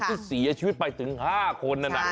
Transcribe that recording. ที่เสียชีวิตไปถึง๕คนนั้น